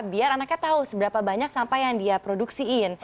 biar anaknya tahu seberapa banyak sampah yang dia produksiin